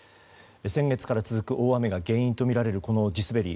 先月から続く大雨が原因とみられる、この地滑り。